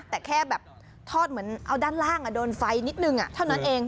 แต่แค่แบบทอดเหมือนเอาด้านล่างโดนไฟนิดนึงเท่านั้นเอง